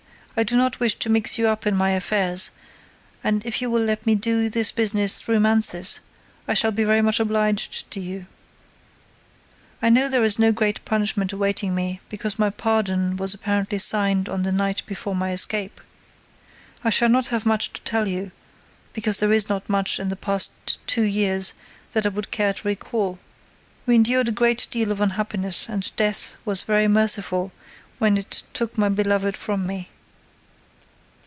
I do not wish to mix you up in my affairs and if you will let me do this business through Mansus I shall be very much obliged to you. "I know there is no great punishment awaiting me, because my pardon was apparently signed on the night before my escape. I shall not have much to tell you, because there is not much in the past two years that I would care to recall. We endured a great deal of unhappiness and death was very merciful when it took my beloved from me.